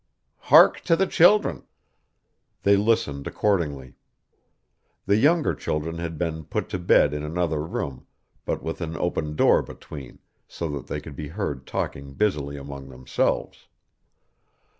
Hark to the children!' They listened accordingly. The younger children had been put to bed in another room, but with an open door between, so that they could be heard talking busily among themselves.